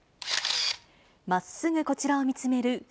まっすぐこちらを見つめる